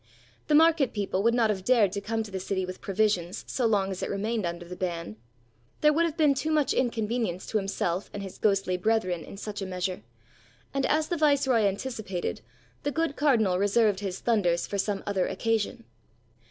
The market people would not have dared to come to the city with provisions so long as it remained under the ban. There would have been too much inconvenience to himself and his ghostly brethren in such a measure; and, as the viceroy anticipated, the good cardinal reserved his thunders for some other occasion.